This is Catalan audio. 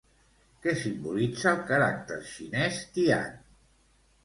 Què simbolitza el caràcter xinès Tian?